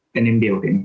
dan yang diurangi